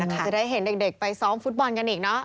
จะได้เห็นเด็กไปซ้อมฟุตบอลกันอีกเนอะ